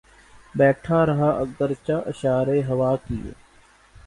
بیٹھا رہا اگرچہ اشارے ہوا کیے